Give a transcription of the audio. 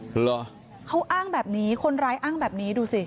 เหรอเขาอ้างแบบนี้คนร้ายอ้างแบบนี้ดูสิ